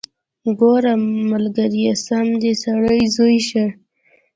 ګوره ملګريه سم د سړي زوى شه.